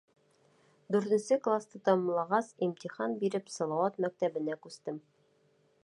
Дүртенсе класты тамамлағас, имтихан биреп, Салауат мәктәбенә күстем.